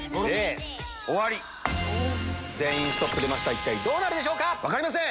一体どうなるでしょうか⁉分かりません！